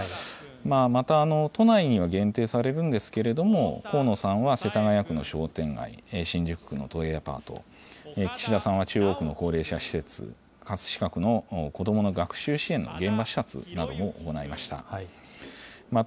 また、都内には限定されるんですけれども、河野さんは世田谷区の商店街、新宿区の都営アパート、岸田さんは中央区の高齢者施設、葛飾区の子どもの学習支援の現場視察なども行いました。